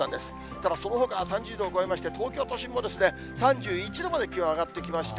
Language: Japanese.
ただそのほかは３０度を超えまして、東京都心も３１度まで気温上がってきました。